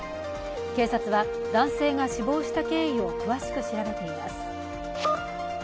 警察は男性が死亡した経緯を詳しく調べています。